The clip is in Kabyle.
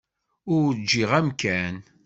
Ur ǧǧiɣ amkan.